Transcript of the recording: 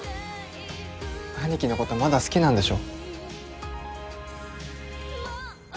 兄貴のことまだ好きなんでしょ？